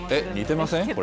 似てません？